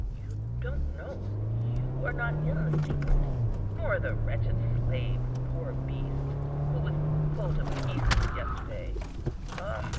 You don't know; you are not in the secret, nor the wretched slave, poor beast, who was pulled to pieces yesterday (ah!